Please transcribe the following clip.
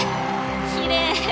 きれい！